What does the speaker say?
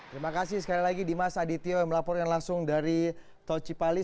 terima kasih sekali lagi dimas adityo yang melaporkan langsung dari tol cipali